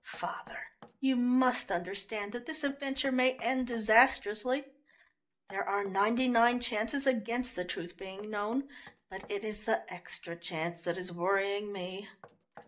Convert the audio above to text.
"Father, you must understand that this adventure may end disastrously. There are ninety nine chances against the truth being known, but it is the extra chance that is worrying me.